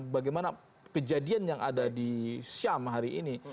bagaimana kejadian yang ada di syam hari ini